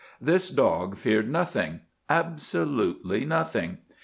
This dog feared nothing—absolutely nothing.